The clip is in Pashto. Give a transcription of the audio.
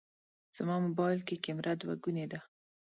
زما موبایل کې کمېره دوهګونې ده.